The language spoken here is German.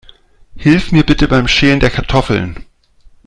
Hilf mir bitte beim Schälen der Kartoffeln.